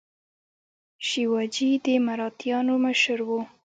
شیواجي د مراتیانو مشر و.